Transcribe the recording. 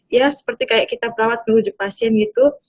ya seperti kayak kita perawat menuju pasien gitu